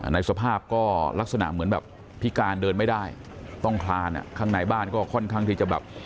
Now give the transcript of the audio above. ในสภาพก็ลักษณะเหมือนแบบพิการเดินไม่ได้ต้องคลานข้างในบ้านก็ค่อนข้างที่จะแบบ